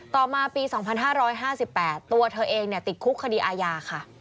ต่อมาปี๒๕๕๘ตัวเธอเองติดคุกคดีอาญาค่ะ